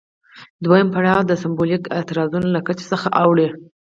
دویم پړاو د سمبولیکو اعتراضونو له کچې څخه اوړي.